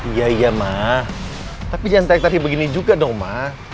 iya iya ma tapi jangan tarik taring begini juga dong ma